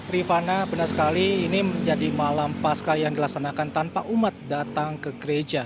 rifana benar sekali ini menjadi malam pasca yang dilaksanakan tanpa umat datang ke gereja